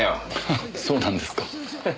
そうなんですか。